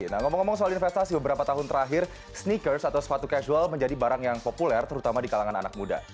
nah ngomong ngomong soal investasi beberapa tahun terakhir sneakers atau sepatu casual menjadi barang yang populer terutama di kalangan anak muda